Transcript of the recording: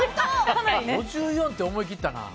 ５４って、思い切ったな。